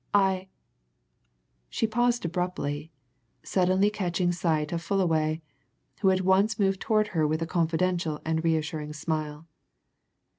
I " She paused abruptly, suddenly catching sight of Fullaway, who at once moved towards her with a confidential and reassuring smile.